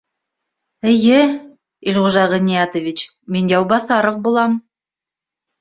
— Эйе, Илғужа Ғиниәтович, мин — Яубаҫаров булам